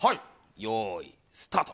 よーい、スタート。